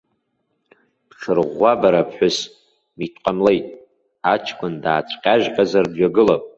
Бҽырӷәӷәа, бара аԥҳәыс, митә ҟамлеит, аҷкәын даацәҟьажьҟьазар дҩагылап.